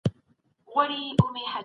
ځوانان د راتلونکې په فکر کې وو.